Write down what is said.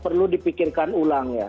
perlu dipikirkan ulang ya